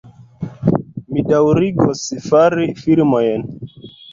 Mi daŭrigos fari filmojn